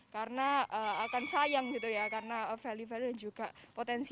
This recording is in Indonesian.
karena akan sayang gitu ya karena value value dan juga potensi